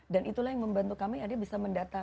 dan itulah yang membantu kami ada bisa mendata